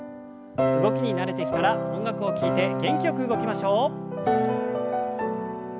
動きに慣れてきたら音楽を聞いて元気よく動きましょう。